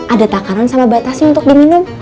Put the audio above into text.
ada takaran sama batasi untuk diminum